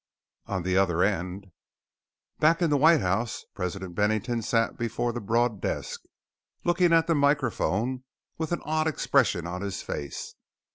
"On the other end!" Back in the White House, President Bennington sat before the broad desk, looking at the microphone with an odd expression on his face.